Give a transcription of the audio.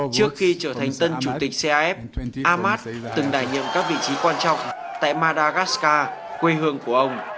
trước khi trở thành tân chủ tịch caf ahmad từng đại nhiệm các vị trí quan trọng tại madagascar quê hương của ông